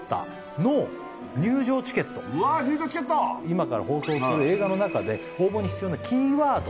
今から放送する映画の中で応募に必要なキーワード